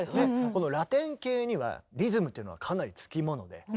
このラテン系にはリズムというのはかなり付き物で。